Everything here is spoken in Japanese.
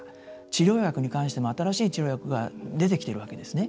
治療薬に関しても新しい治療薬が出てきているわけですね。